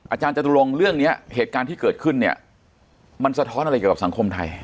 อาจารย์จตุรงค์เรื่องนี้เหตุการณ์ที่เกิดขึ้นเนี่ยมันสะท้อนอะไรเกี่ยวกับสังคมไทย